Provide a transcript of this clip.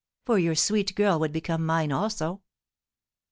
for your sweet girl would become mine also."